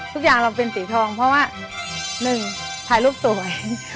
ทุกอย่างเราเป็นสีทองเพราะว่าหนึ่งถ่ายรูปสวย